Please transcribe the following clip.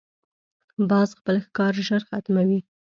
باز خپل ښکار ژر ختموي